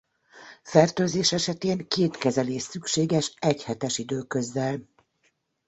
Fertőzés esetén két kezelés szükséges egy hetes időközzel.